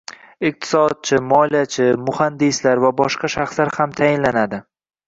iqtisodchi, moliyachi, muhandislar va boshqa shaxslar ham tayinlanadi.